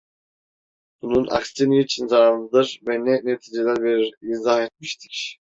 Bunun aksi niçin zararlıdır ve ne neticeler verir, izah etmiştik.